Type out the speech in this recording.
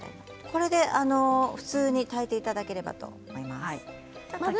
これで普通に炊いていただきたいと思います。